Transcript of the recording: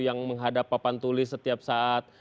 yang menghadap papan tulis setiap saat